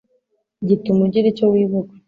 gituma ugira icyo wibuka